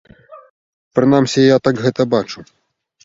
Прынамсі я так гэта бачу.